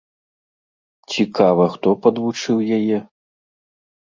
Цікава, хто падвучыў яе?